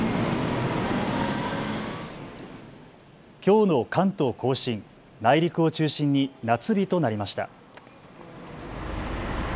きょうの関東甲信、内陸を中心に夏日となりました。